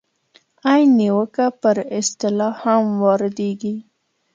عین نیوکه پر اصطلاح هم واردېږي.